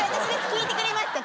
聞いてくれますか？